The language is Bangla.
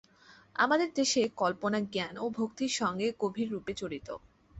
আমাদের দেশে কল্পনা জ্ঞান ও ভক্তির সঙ্গে গভীররূপে জড়িত।